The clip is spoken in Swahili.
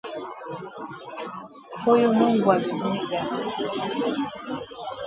Huyu Mungu wa mbinguni jamani.